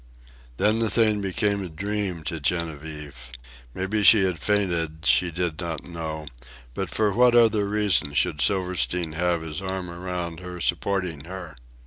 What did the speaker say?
Then the thing became a dream to Genevieve. Maybe she had fainted, she did not know, but for what other reason should Silverstein have his arm around her supporting her?